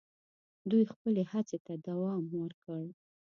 دوی خپلي هڅي ته دوم ورکړ.